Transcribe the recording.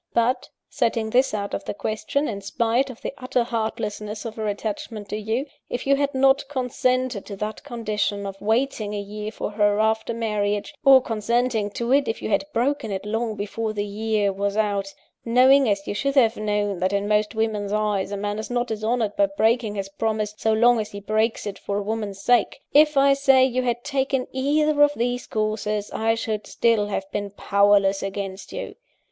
But, setting this out of the question, in spite of the utter heartlessness of her attachment to you, if you had not consented to that condition of waiting a year for her after marriage; or, consenting to it, if you had broken it long before the year was out knowing, as you should have known, that in most women's eyes a man is not dishonoured by breaking his promise, so long as he breaks it for a woman's sake if, I say, you had taken either of these courses, I should still have been powerless against you.